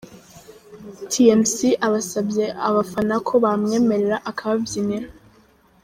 Tmc abasabye abafana ko bamwemerera akababyinira.